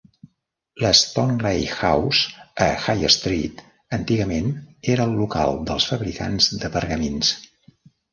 La Stoneleigh House, a High Street, antigament era el local dels fabricants de pergamins.